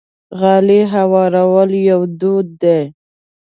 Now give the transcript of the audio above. غالۍ هوارول یو دود دی.